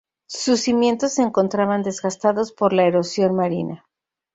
Sus cimientos se encontraban desgastados por la erosión marina.